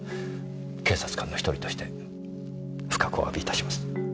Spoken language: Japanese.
警察官の１人として深くお詫びいたします。